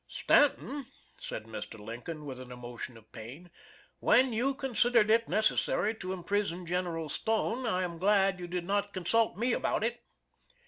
"Stanton," said Mr. Lincoln, with an emotion of pain, "when you considered it necessary to imprison General Stone, I am glad you did not consult me about it."